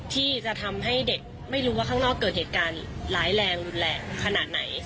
ที่จะทำให้เด็กไม่รู้ว่าข้างนอกเกิดเหตุการณ์ร้ายแรงรุนแรงขนาดไหน